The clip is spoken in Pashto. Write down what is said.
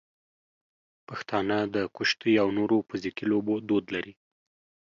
پښتانه د کشتۍ او نورو فزیکي لوبو دود لري.